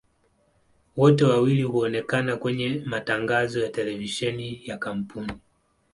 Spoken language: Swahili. Wote wawili huonekana kwenye matangazo ya televisheni ya kampuni.